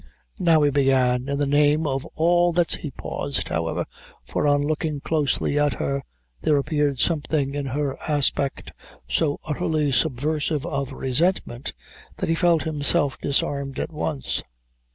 "Now," he began, "in the name of all that's" he paused, however, for on looking closely at her, there appeared something in her aspect so utterly subversive of resentment, that he felt himself disarmed at once.